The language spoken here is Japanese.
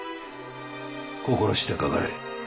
心してかかれ。